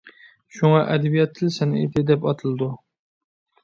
شۇڭا ئەدەبىيات تىل سەنئىتى دەپ ئاتىلىدۇ.